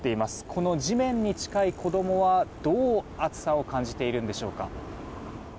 この地面に近い子供はどう暑さを感じているんでしょうか。